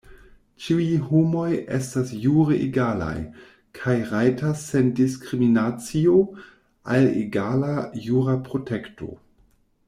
Ĉiuj homoj estas jure egalaj, kaj rajtas sen diskriminacio al egala jura protekto.